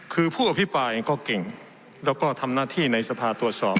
คือผู้อภิปรายเองก็เก่งแล้วก็ทำหน้าที่ในสภาตรวจสอบ